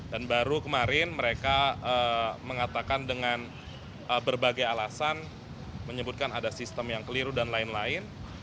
dan baru kemarin mereka mengatakan dengan berbagai alasan menyebutkan ada sistem yang keliru dan lain lain